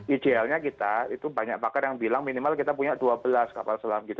idealnya kita itu banyak pakar yang bilang minimal kita punya dua belas kapal selam gitu